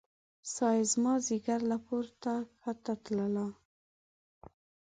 ساه يې زما ځیګر کې پورته کښته تلله